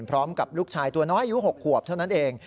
พร้อมกับลูกชายตัวน้อยอายุ๖ขวบเท่านั้นเอง